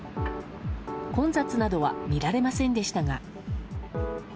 混雑などは見られませんでしたが。